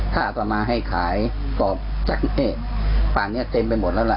ถ้าอัตตามาให้ขายก็จัดเอ๊ะฝั่งเนี่ยเต็มไปหมดแล้วล่ะ